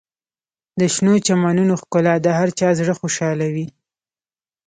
د شنو چمنونو ښکلا د هر چا زړه خوشحالوي.